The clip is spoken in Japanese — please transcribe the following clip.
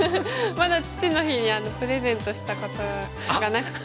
まだ父の日にはプレゼントしたことがなくて。